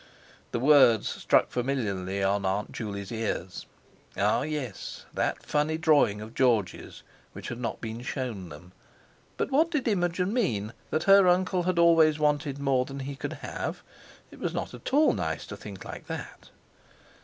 The words struck familiarly on Aunt Juley's ears. Ah! yes; that funny drawing of George's, which had not been shown them! But what did Imogen mean? That her uncle always wanted more than he could have? It was not at all nice to think like that.